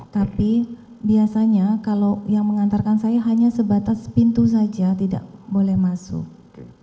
tapi biasanya kalau yang mengantarkan saya hanya sebatas pintu saja tidak boleh masuk